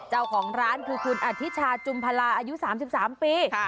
เจ้าของร้านคือคุณอธิชาจุมพลาอายุ๓๓ปี